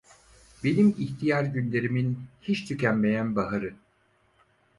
Benim ihtiyar günlerimin, hiç tükenmeyen baharı…